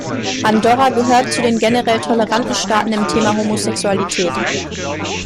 Andorra gehört zu den generell toleranten Staaten im Thema Homosexualität.